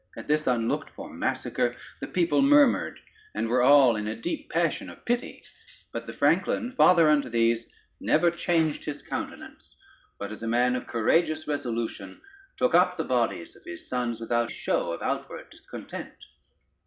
At this unlooked for massacre the people murmured, and were all in a deep passion of pity; but the franklin, father unto these, never changed his countenance, but as a man of a courageous resolution took up the bodies of his sons without show of outward discontent.